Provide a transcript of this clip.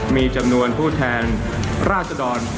มีจำนวนผู้แทนราชดร